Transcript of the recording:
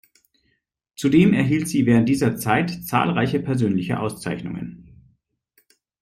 Zudem erhielt sie während dieser Zeit zahlreiche persönliche Auszeichnungen.